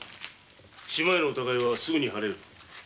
嶋屋の疑いはすぐ晴れる。